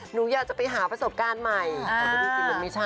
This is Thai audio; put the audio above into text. หนูอยากจะไปหาประสบการณ์ใหม่จริงมันไม่ใช่